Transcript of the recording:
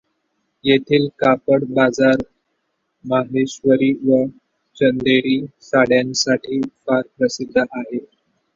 येथील कापड बाजार माहेश्वरी व चंदेरी साड्यांसाठी फार प्रसिद्ध आहे.